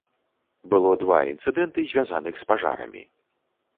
Было два інцыдэнты, звязаных з пажарамі.